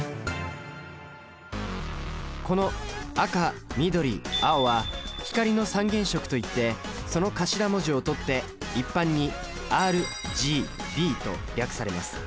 この赤緑青は光の三原色といってその頭文字を取って一般にＲＧＢと略されます。